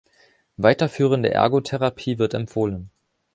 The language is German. Weiterführende Ergotherapie wird empfohlen.